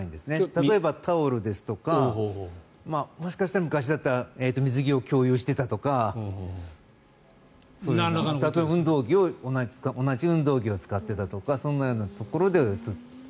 例えばタオルですとかもしかしたら昔だったら水着を共有していたとか例えば同じ運動着を使っていたとかそんなようなところでうつったんだと。